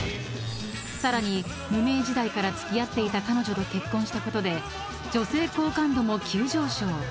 ［さらに無名時代から付き合っていた彼女と結婚したことで女性好感度も急上昇！］